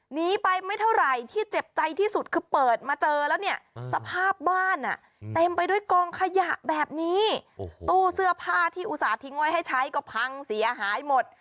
หนีไปไม่เท่าไหร่ที่เจ็บใจที่สุดคือเปิดมาเจอแล้วเนี่ยสภาพบ้านอ่ะเต็มไปด้วยกองขยะแบบนี้ตู้เสื้อผ้าที่อุตส่าหิงไว้ให้ใช้ก็พังเสียหายหมด